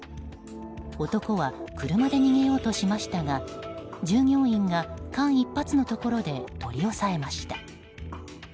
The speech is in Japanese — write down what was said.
男は車で逃げようとしましたが従業員が間一髪のところで取り押さえました。